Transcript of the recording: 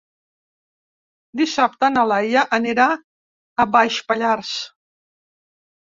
Dissabte na Laia anirà a Baix Pallars.